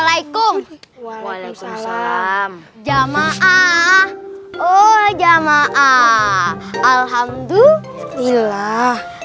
tiga empat tuh